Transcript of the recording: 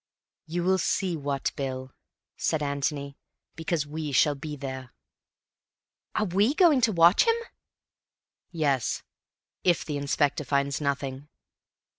"You will see what, Bill," said Antony; "because we shall be there." "Are we going to watch him?" "Yes, if the Inspector finds nothing."